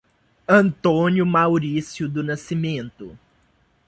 Antônio Mauricio do Nascimento